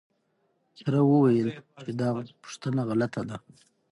تره وويل چې دا پوښتنه غلطه ده.